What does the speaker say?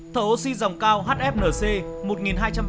thở oxy dòng cao hfnc